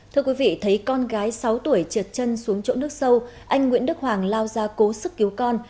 thưa quý vị thấy con gái sáu tuổi trượt chân xuống chỗ nước sâu anh nguyễn đức hoàng lao ra cố sức cứu con